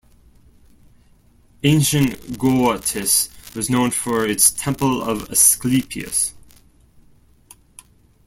Ancient Gortys was known for its Temple of Asclepius.